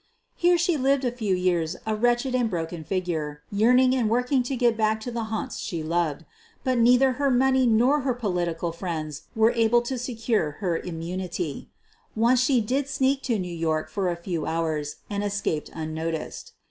Here she lived a few years a wretched and broke* figure, yearning and working to get back to the haunts she loved. But neither her money nor her political friends were able to secure her immunity* QUEEN OF THE BUEGLAKS 201 Once she did sneak to New York for a few hours and escaped unnoticed.